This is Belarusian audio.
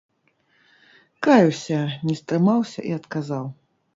Каюся, не стрымаўся і адказаў.